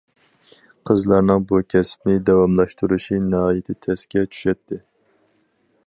قىزلارنىڭ بۇ كەسىپنى داۋاملاشتۇرۇشى ناھايىتى تەسكە چۈشەتتى.